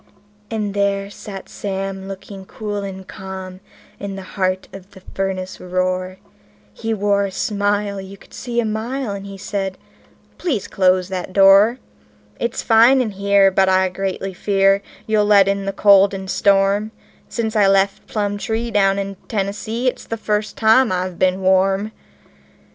And there sat Sam, looking cool and calm, in the heart of the furnace roar; And he wore a smile you could see a mile, and he said: "Please close that door. It's fine in here, but I greatly fear you'll let in the cold and storm Since I left Plumtree, down in Tennessee, it's the first time I've been warm."